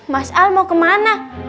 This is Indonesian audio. mas al mau kemana